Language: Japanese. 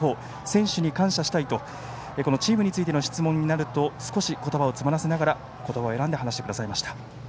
選手に感謝したいとチームについての質問になると少し言葉を詰まらせながら言葉を選んで話してくださいました。